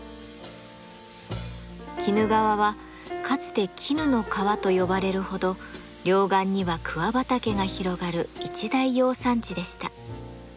鬼怒川はかつて絹の川と呼ばれるほど両岸には桑畑が広がる一大養蚕地でした。